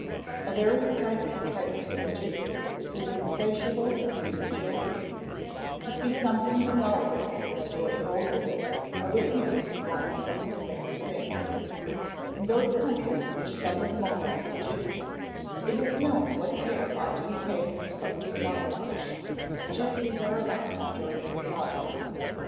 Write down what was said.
A very striking trait in the gipsy is his insatiable and bestial greed. To see something desirable and to lay hold of it are with him one and the same thing. In those countries which suffer most from gipsies it is known what care ought to be taken of the swine flesh when gipsies are about during the slaughtering.